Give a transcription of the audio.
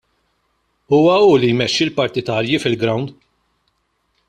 Huwa hu li jmexxi l-partitarji fil-grawnd.